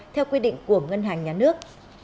theo quy định của ngân hàng nhà nước